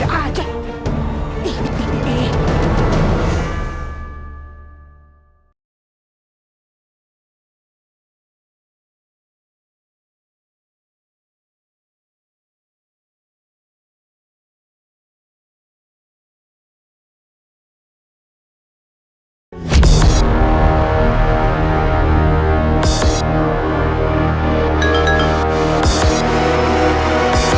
apaan sih kayak gitu